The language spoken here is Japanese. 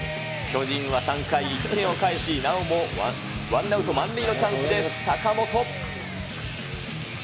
巨人は３回、１点を返し、なおもワンアウト満塁のチャンスで坂本。